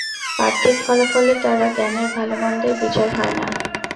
পার্থিব ফলাফলের দ্বারা জ্ঞানের ভাল-মন্দের বিচার হয় না।